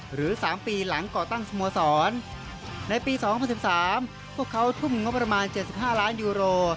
หรือ๓ปีหลังก่อตั้งสโมสรในปี๒๐๑๓พวกเขาทุ่มงบประมาณ๗๕ล้านยูโร